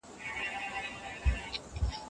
انټرنیټ د زده کړې بیلابیلې لارې پرانیزي.